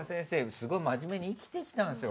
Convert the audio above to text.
すごい真面目に生きてきたんですよ